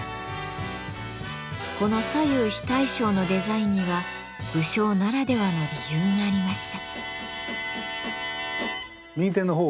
この左右非対称のデザインには武将ならではの理由がありました。